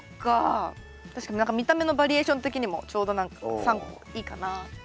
確かに見た目のバリエーション的にもちょうど何か３個いいかな。